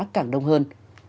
càng đông hơn